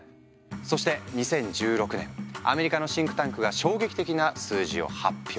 そして２０１６年アメリカのシンクタンクが衝撃的な数字を発表。